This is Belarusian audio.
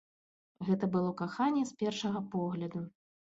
Гэта было каханне з першага погляду.